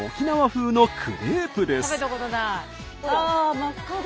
真っ赤だ！